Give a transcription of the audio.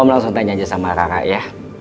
langsung tanya aja sama rara ya